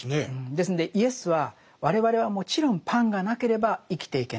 ですんでイエスは我々はもちろんパンがなければ生きていけない。